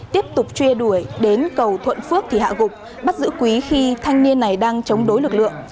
tiếp tục truy đuổi đến cầu thuận phước thì hạ gục bắt giữ quý khi thanh niên này đang chống đối lực lượng